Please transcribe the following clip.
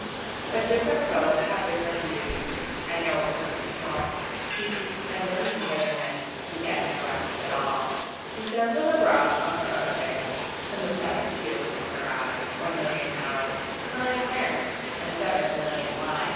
But different folk have different views; I know a person small She keeps ten million serving men, Who get no rest at all! She sends 'em abroad on her own affairs, From the second she opens her eyes One million Hows, two million Wheres, And seven million Whys!